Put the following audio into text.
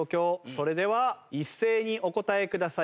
それでは一斉にお答えください。